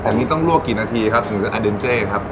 อันนี้ต้องลั่วกี่นาทีครับสำหรับอย่างเดนเต้ครับ